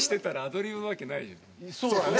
そうやね。